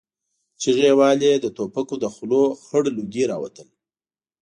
چيغې يې وهلې، د ټوپکو له خولو خړ لوګي را وتل.